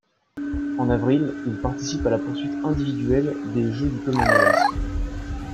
En avril, il participe à la poursuite individuelle des Jeux du Commonwealth.